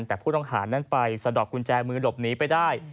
แต่ผู้ต้องหานั้นไปสะดอกกุญแจมือหลบหนีไปได้